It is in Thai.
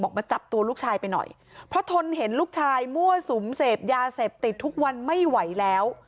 มาจับตัวลูกชายไปหน่อยเพราะทนเห็นลูกชายมั่วสุมเสพยาเสพติดทุกวันไม่ไหวแล้ว